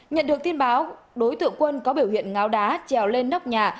nhận được tin báo đối tượng quân có biểu hiện ngáo đá trèo lên nóc nhà